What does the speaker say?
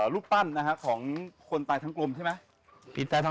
รูปปั้นนะฮะของคนตายทั้งกลมใช่ไหม